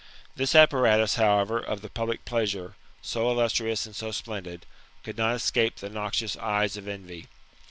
This apparatus, however, of the public pleasure, so illustrous and so splendid, could not escape the noxious eyes of envy.